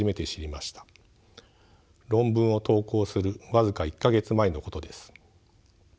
論文を投稿する僅か１か月前のことです。